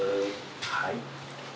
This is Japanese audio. はい。